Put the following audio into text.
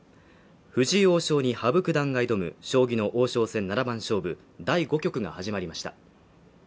藤井王将に羽生九段が挑む将棋の王将戦七番勝負第５局が始まりました。